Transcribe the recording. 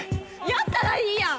やったらいいやん！